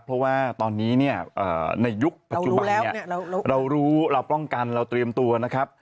เพราะว่าตอนนี้เนี่ยในยุคปัจจุบันเนี่ยเรารู้เราป้องกันเราเตรียมตัวนะครับ